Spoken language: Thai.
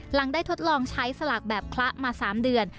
หลังได้ทดลองใช้สลากแบบคละมา๓เดือน